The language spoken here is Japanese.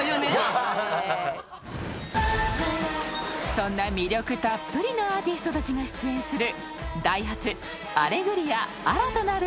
［そんな魅力たっぷりのアーティストたちが出演する］